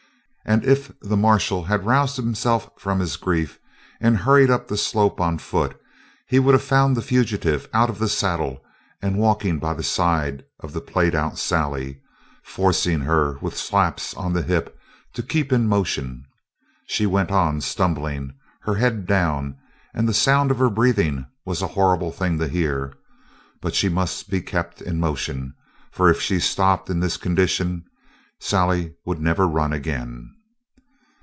And if the marshal had roused himself from his grief and hurried up the slope on foot he would have found the fugitive out of the saddle and walking by the side of the played out Sally, forcing her with slaps on the hip to keep in motion. She went on, stumbling, her head down, and the sound of her breathing was a horrible thing to hear. But she must keep in motion, for, if she stopped in this condition, Sally would never run again.